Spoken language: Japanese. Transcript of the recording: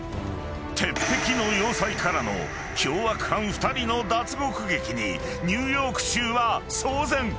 ［鉄壁の要塞からの凶悪犯２人の脱獄劇にニューヨーク州は騒然］